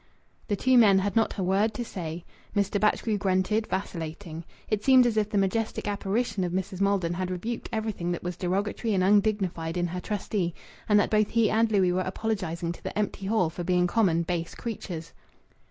The two men had not a word to say. Mr. Batchgrew grunted, vacillating. It seemed as if the majestic apparition of Mrs. Maldon had rebuked everything that was derogatory and undignified in her trustee, and that both he and Louis were apologizing to the empty hall for being common, base creatures.